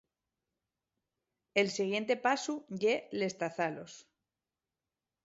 El siguiente pasu ye l'estazalos.